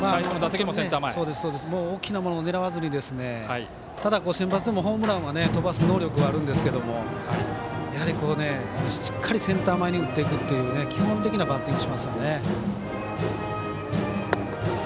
大きなものを狙わずにただ、センバツでもホームランは飛ばす能力があるんですけどやはり、しっかりとセンター前に打っていくっていう基本的なバッティングしますよね。